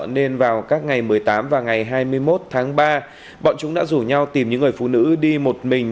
nên vào các ngày một mươi tám và ngày hai mươi một tháng ba bọn chúng đã rủ nhau tìm những người phụ nữ đi một mình